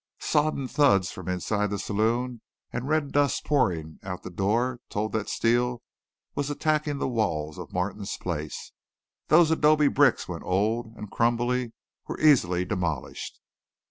Soon sodden thuds from inside the saloon and red dust pouring out the door told that Steele was attacking the walls of Martin's place. Those adobe bricks when old and crumbly were easily demolished.